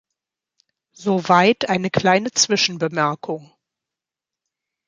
Soweit eine kleine Zwischenbemerkung.